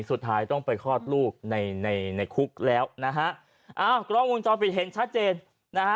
สุดท้ายต้องไปคลอดลูกในในคุกแล้วนะฮะอ้าวกล้องวงจรปิดเห็นชัดเจนนะฮะ